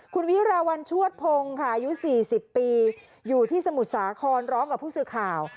คุณวิราวัลชวดพงศ์ค่ะอายุ๔๐ปีอยู่ที่สมุทรสาครร้องกับผู้สื่อข่าว